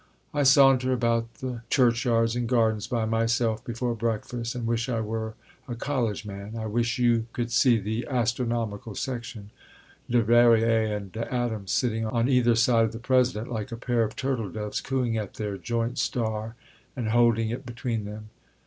I saunter about the churchyards and gardens by myself before breakfast, and wish I were a College man. I wish you could see the Astronomical Section Leverrier and Adams sitting on either side of the President, like a pair of turtle doves cooing at their joint star and holding it between them....